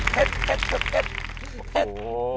เผ็ดเผ็ดเผ็ดเผ็ด